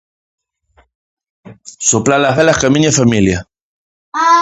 Sopla-las velas ca miña familia.